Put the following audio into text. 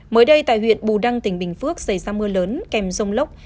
mới đây tại huyện bù đăng tỉnh bình phước xảy ra mưa lớn kèm rông lốc